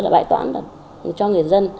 tức là bài toán là cho người dân